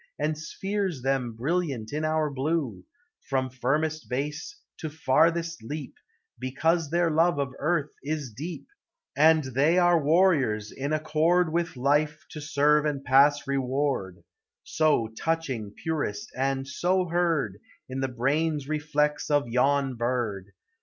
Enspheres them brilliant in our blue, From firmest base to farthest leap, Because their love of Earth is deep, And they are warriors in accord With life to serve and pass reward, *So touching purest and so heard In the brain's reflex of von bird ; 290 POEMS OF NATURE.